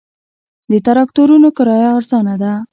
د تراکتورونو کرایه ارزانه ده